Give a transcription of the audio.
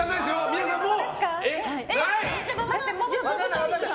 皆さんもう！